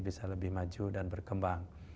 bisa lebih maju dan berkembang